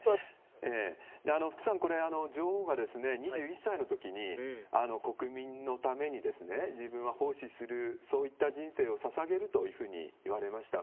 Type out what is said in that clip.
福さん、女王が２１歳のときに、国民のために自分は奉仕する、そういった人生をささげるというふうに言われました。